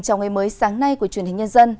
trong ngày mới sáng nay của truyền hình nhân dân